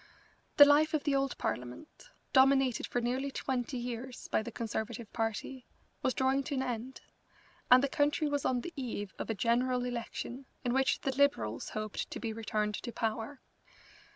The life of the old Parliament, dominated for nearly twenty years by the Conservative Party, was drawing to an end, and the country was on the eve of a general election in which the Liberals hoped to be returned to power.